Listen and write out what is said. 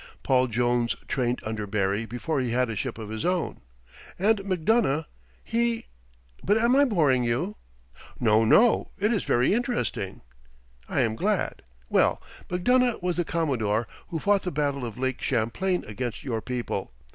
Paul Jones trained under Barry before he had a ship of his own. And McDonough? He but am I boring you?" "No, no it is very interesting." "I am glad. Well, McDonough was the commodore who fought the battle of Lake Champlain against your people.